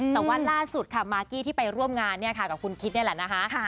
แต่ว่าล่าสุดค่ะมากกี้ที่ไปร่วมงานเนี่ยค่ะกับคุณคิดนี่แหละนะคะ